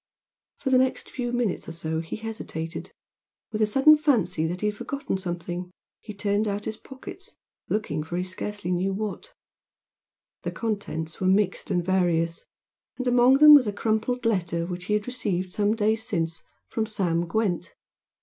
For the next few minutes or so he hesitated. With the sudden fancy that he had forgotten something, he turned out his pockets, looking for he scarcely knew what. The contents were mixed and various, and among them was a crumpled letter which he had received some days since from Sam Gwent.